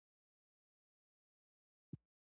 په للمي ځمکو کې باران ته ډیر انتظار کیږي.